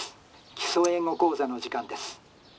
『基礎英語講座』の時間です」。